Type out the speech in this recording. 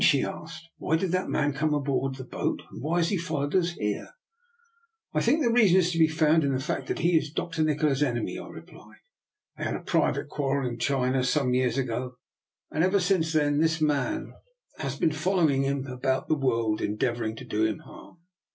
" she asked. " Why did that man come on board the boat, and why has he followed us here? "" I think the reason is to be found in the fact that he is Dr. Nikola's enemy," I replied. " They had a private quarrel in China some years ago, and ever since then this man has DR. NIKOLA'S EXPERIMENT. 297 been following him about the world endeav ouring to do him harm.